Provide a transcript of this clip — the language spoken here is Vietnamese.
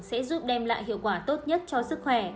sẽ giúp đem lại hiệu quả tốt nhất cho sức khỏe